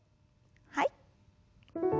はい。